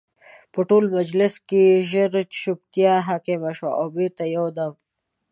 په ټول مجلس کې ژر جوپتیا حاکمه شوه او بېرته یو دم